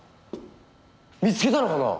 見つけたのかな？